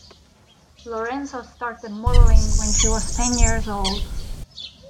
Lorenzo started modeling when she was ten years old.